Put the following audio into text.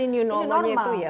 jadi new normal nya itu ya